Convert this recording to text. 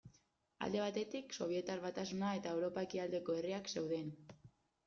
Alde batetik Sobietar Batasuna eta Europa ekialdeko herriak zeuden.